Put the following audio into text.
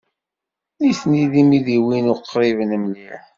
Nitni d imidiwen uqriben mliḥ.